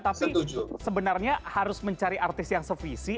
tapi sebenarnya harus mencari artis yang se visi